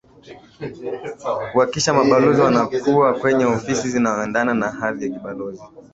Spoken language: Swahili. kuhakikisha mabalozi wanakuwa kwenye ofisi zinazoendana na hadhi ya kibalozi